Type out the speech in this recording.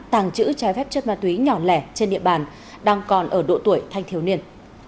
tàng trữ trái phép chất ma túy nhỏ lẻ trên địa bàn đang còn ở độ tuổi thanh thiếu niên